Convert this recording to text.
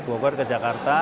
bogor ke jakarta